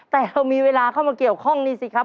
แต่เรามีเวลาเข้ามาเกี่ยวข้องนี่สิครับ